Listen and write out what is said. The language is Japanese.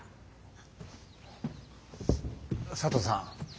佐藤さん